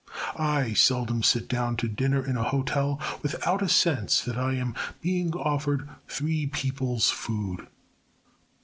I seldom sit down to dinner in a hotel without a sense that I am being offered three people's food.